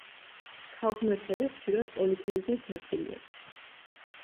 ქალღმერთები ხშირად პოლითეიზმის ნაწილია.